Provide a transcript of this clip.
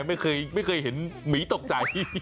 ไม่เคยเห็นหมีตกใจ